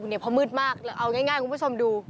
นี่พอมืดมากเอาง่ายกูไปชมดู